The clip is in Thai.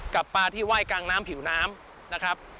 กับปลาที่ไหว้กลางน้ำผิวน้ำนะครับ